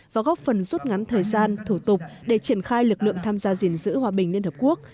và góp phần rút ngắn thời gian thủ tục để triển khai lực lượng tham gia diện giữ hòa bình liên hợp quốc